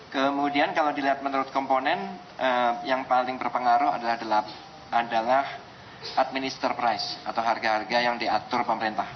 kemudian kalau dilihat menurut komponen yang paling berpengaruh adalah administer price atau harga harga yang diatur pemerintah